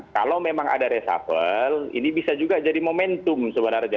kalau memang ada reshuffle ini bisa juga jadi momentum sebenarnya